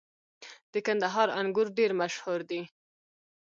• د کندهار انګور ډېر مشهور دي.